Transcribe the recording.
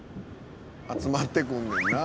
集まってくんねんなもう。